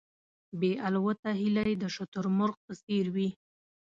بې الوته هیلۍ د شتر مرغ په څېر وې.